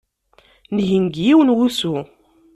Ngen deg yiwen n wusu.